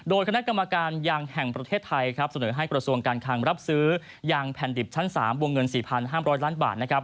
โดยคณะกรรมการยางแห่งประเทศไทยเสนอให้กระทรวงการคังรับซื้อยางแผ่นดิบชั้น๓วงเงิน๔๕๐๐ล้านบาท